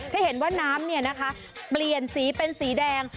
ให้เห็นว่าน้ำเปลี่ยนสีเป็นสีแดง